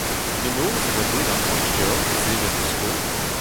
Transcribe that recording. Penaos e oa deuet ar soñj deoc'h da sevel ur skol ?